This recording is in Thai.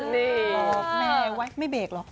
แม่ไว้ไม่เบกหรอก